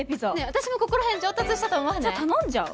私もここらへん上達したとじゃ頼んじゃう？